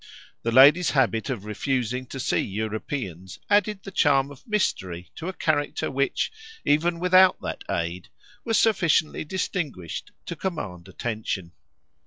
The lady's habit of refusing to see Europeans added the charm of mystery to a character which, even without that aid, was sufficiently distinguished to command attention.